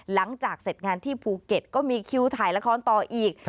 หลังจากเสร็จงานที่ภูเก็ตก็มีคิวถ่ายละครต่ออีก